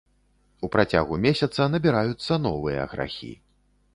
У працягу месяца набіраюцца новыя грахі.